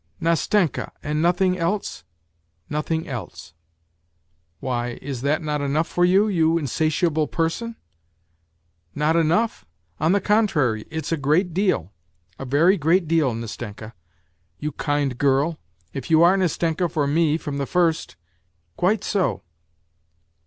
" Nastenka ! And nothing else ?"" Nothing else ! Why, is not that enough for you, you in satiable person ?"" Not enough ? On the contrary, it's a great deal, a very great deal, Nastenka ; you kind girl, if you are Nastenka for me from the first." " Quite so